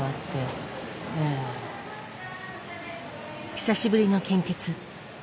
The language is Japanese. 久しぶりの献血。